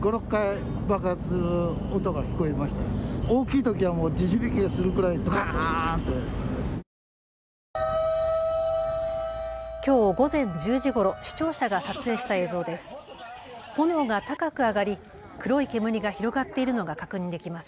きょう午前１０時ごろ視聴者が撮影した映像です。